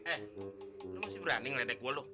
eh lo masih berani ngeledek gue loh